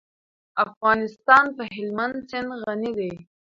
افغانستان په هلمند سیند غني دی.